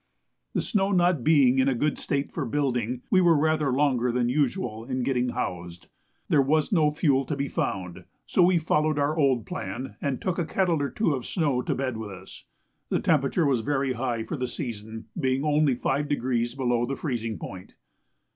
The snow not being in a good state for building, we were rather longer than usual in getting housed. There was no fuel to be found, so we followed our old plan, and took a kettle or two of snow to bed with us. The temperature was very high for the season, being only 5° below the freezing point.